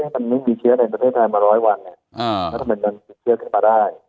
มันยังมีเคลียร์ในประเทศไทยมาร้อยวันแล้วทำไมมันไม่เคลียร์กันมาได้